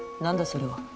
それは。